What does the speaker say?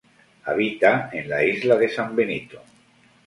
Habita en la isla de San Benito.